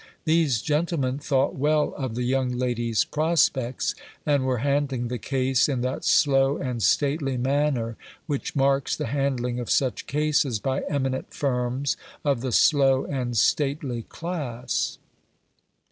These gentlemen thought well of the young lady's prospects, and were handling the case in that slow and stately manner which marks the handling of such cases by eminent firms of the slow and stately class.